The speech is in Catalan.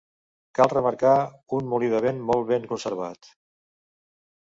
Cal remarcar un molí de vent molt ben conservat.